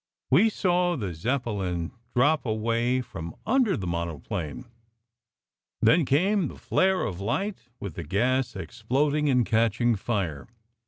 We saw the Zeppelin drop away from under the monoplane. Then came the flare of light, with the gas ex ploding and catching fire.